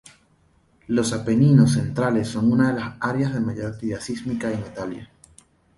Los Apeninos centrales son una de las áreas de mayor actividad sísmica en Italia.